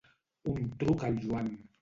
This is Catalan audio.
Un truc al Joan.